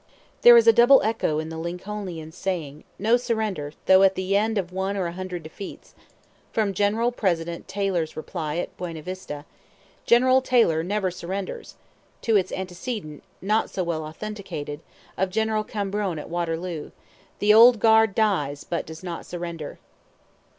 There is a double echo in the Lincolnian saying, "No surrender, though at the end of one or a hundred defeats," from General President Taylor's reply at Buena Vista: "General Taylor never surrenders," to its antecedent, not so well authenticated, of General Cambronne at Waterloo: "The Old Guard dies, but does not surrender."